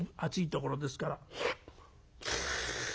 ところですから」。